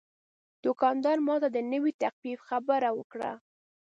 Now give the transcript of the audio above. دوکاندار ماته د نوې تخفیف خبره وکړه.